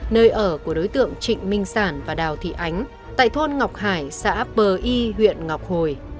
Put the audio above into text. nơi ở của đối tượng trịnh minh sản và đào thị ánh tại thôn ngọc hải xã bờ y huyện ngọc hồi